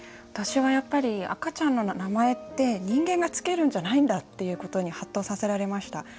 私は赤ちゃんの名前って人間が付けるんじゃないんだっていうことにはっとさせられました。